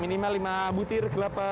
minimal lima butir kelapa